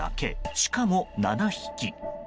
しかも、７匹。